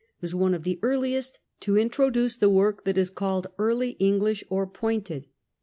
was one of the earliest to introduce the work that is called Early English or pointed.